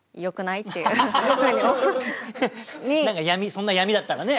そんな闇だったらね。